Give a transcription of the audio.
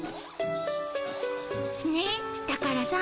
ねだからさ。